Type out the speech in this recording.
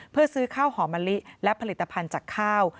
เพื่อซื้อข้าวหอมมะลิและผลิตภัณฑ์จากข้าว